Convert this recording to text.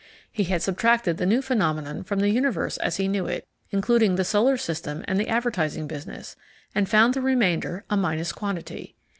He had subtracted the new phenomenon from the universe as he knew it, including the solar system and the advertising business, and found the remainder a minus quantity.